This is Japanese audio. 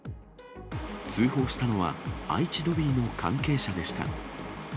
通報したのは、愛知ドビーの関係者でした。